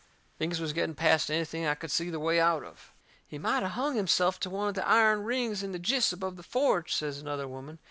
Things was getting past anything I could see the way out of. "He might of hung himself to one of the iron rings in the jists above the forge," says another woman.